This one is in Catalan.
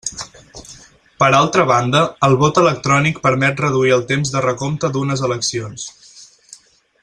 Per altra banda, el vot electrònic permet reduir el temps de recompte d'unes eleccions.